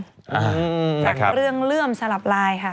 อืมนะครับจากเรื่องเรื่องสลับลายค่ะ